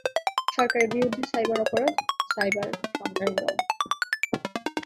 সরকারের বিরুদ্ধে সাইবার অপরাধ: সাইবার সন্ত্রাসবাদ।